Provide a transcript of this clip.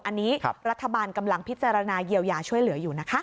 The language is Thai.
อันนี้รัฐบาลกำลังพิจารณาเยียวยาช่วยเหลืออยู่นะคะ